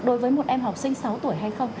đối với một em học sinh sáu tuổi hay không